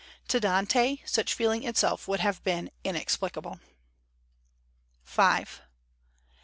To Dante such feeling itself would have been inexplicable."